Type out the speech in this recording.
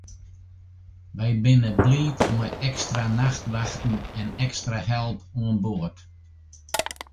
Wy binne bliid mei ekstra nachtwachten en ekstra help oan board.